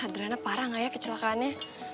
adrena parah gak ya kecelakaannya